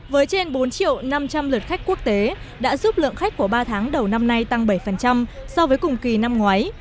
với trên bốn triệu năm trăm linh lượt khách quốc tế đã giúp lượng khách của ba tháng đầu năm nay tăng bảy so với cùng kỳ năm ngoái